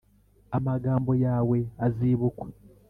amagambo yawe azibukwa